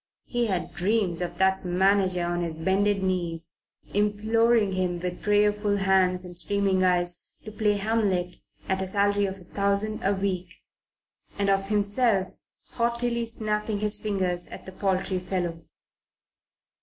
He had dreams of that manager on his bended knees, imploring him, with prayerful hands and streaming eyes, to play Hamlet at a salary of a thousand a week and of himself haughtily snapping his fingers at the paltry fellow.